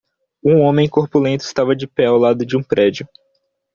Um homem corpulento está de pé ao lado de um prédio.